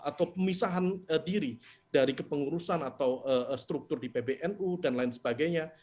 atau pemisahan diri dari kepengurusan atau struktur di pbnu dan lain sebagainya